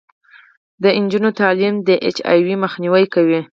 د نجونو تعلیم د اچ آی وي مخنیوی کوي.